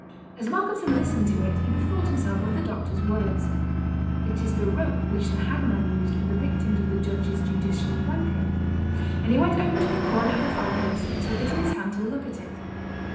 As Malcolmson listened to it he bethought himself of the doctor's words, "It is the rope which the hangman used for the victims of the Judge's judicial rancour," and he went over to the corner of the fireplace and took it in his hand to look at it.